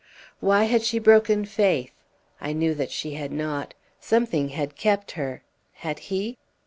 Why had she broken faith? I knew that she had not. Something had kept her; had he?